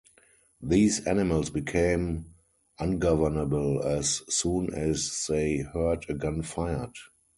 These animals became ungovernable as soon as they heard a gun fired.